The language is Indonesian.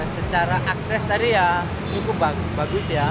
secara akses tadi ya cukup bagus ya